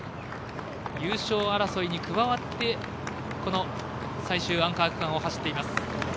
優勝争いに加わってこの最終アンカー区間を走っています。